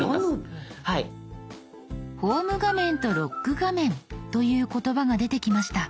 「ホーム画面」と「ロック画面」という言葉が出てきました。